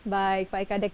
baik pak ika dek